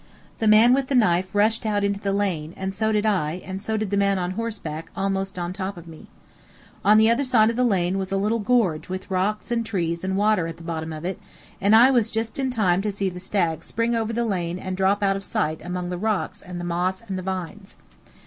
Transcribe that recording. The man with the knife rushed out into the lane, and so did I, and so did the man on horseback, almost on top of me. On the other side of the lane was a little gorge with rocks and trees and water at the bottom of it, and I was just in time to see the stag spring over the lane and drop out of sight among the rocks and the moss and the vines.